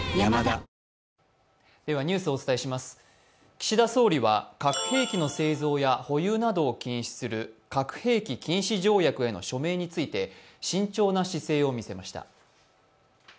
岸田総理は核兵器の保有などを禁止ずく核兵器禁止条約などの規制について慎重な姿勢を見せました。